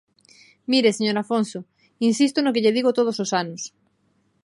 Mire, señor Afonso, insisto no que lle digo todos os anos.